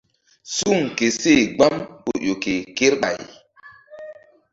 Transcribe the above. Suŋ ke seh gbam ku ƴo ke kerɓay.